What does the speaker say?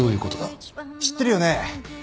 知ってるよね？